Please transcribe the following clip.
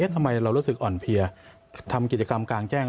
ทำไมเรารู้สึกอ่อนเพลียทำกิจกรรมกลางแจ้ง